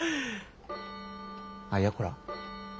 あいやこら